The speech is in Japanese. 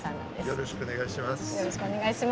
よろしくお願いします。